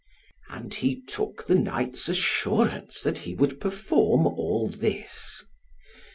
And he took the knight's assurance, that he would perform all this.